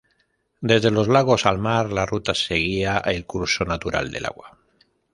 Desde los lagos al mar la ruta seguía el curso natural del agua.